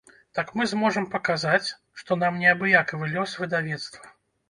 Так мы зможам паказаць, што нам неабыякавы лёс выдавецтва.